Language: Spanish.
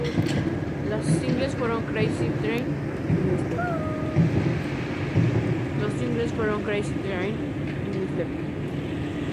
Los singles fueron "Crazy Train" y "Mr.